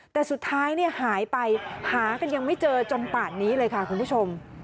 แต่สุดท้ายหายไปหากันยังไม่เจอจนป่านนี้เลยค่ะคุณผู้ชม